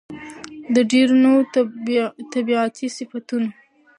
د ډېرو نوو طبيعتي صفتونو